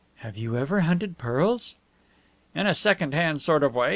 "Have you ever hunted pearls?" "In a second hand sort of way.